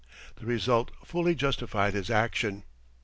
The result fully justified his action.